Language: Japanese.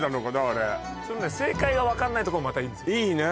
あれ正解が分かんないとこもまたいいんですよいいね